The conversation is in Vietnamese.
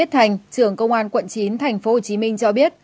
trường công an tp hcm cho biết